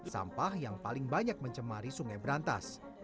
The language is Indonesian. sampah yang paling banyak mencemari sungai berantas